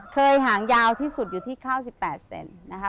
เคยหางยาวที่สุดอยู่ที่ข้าว๑๘เซนติเมตร